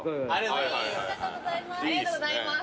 ありがとうございます。